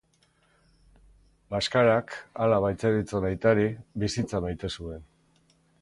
Bhaskarak, hala baitzeritzon aitari, bizitza maite zuen.